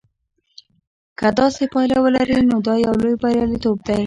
که داسې پایله ولري نو دا یو لوی بریالیتوب دی.